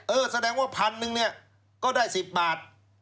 เออแสดงว่า๑๐๐๐นึงเนี่ยก็ได้๑๐บาท